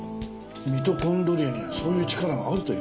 ミトコンドリアにはそういう力があるという事ですか？